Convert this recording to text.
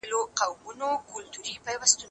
تکړښت د ښوونکي له خوا تنظيم کيږي،